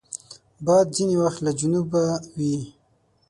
باد ځینې وخت له جنوبه وي